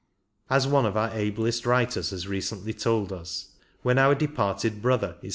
As one of our ablest writers has recently told us, when our departed brother is k.